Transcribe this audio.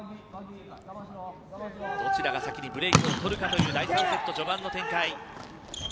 どちらが先にブレークを取るかという第３セット序盤の展開。